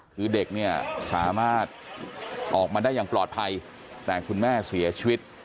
คือเด็กเนี่ยสามารถออกมาได้อย่างปลอดภัยแต่คุณแม่เสียชีวิต